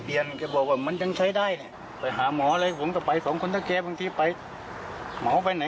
พอข้างในขาดนั้นเราก็จำได้